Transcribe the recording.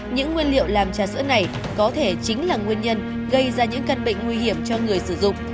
những nguyên liệu làm trà sữa này có thể chính là nguyên nhân gây ra những căn bệnh nguy hiểm cho người sử dụng